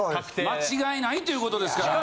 間違いないという事ですから。